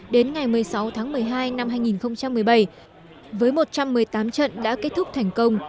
đến ngày một mươi sáu tháng một mươi hai năm hai nghìn một mươi bảy với một trăm một mươi tám trận đã kết thúc thành công